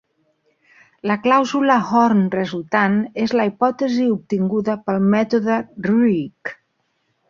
La clàusula Horn resultant, es la hipòtesi obtinguda pel mètode rlgg.